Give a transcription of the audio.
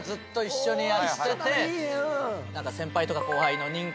先輩とか後輩の。